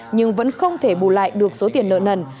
nhưng vẫn không thể bù lại được số tiền nợ nần